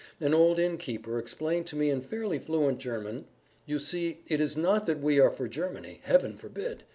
An old inn keeper explained to me in fairly fluent German: "You see it is not that we are for Germany. Heaven forbid!